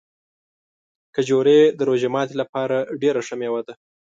کجورې د روژه ماتي لپاره ډېره ښه مېوه ده.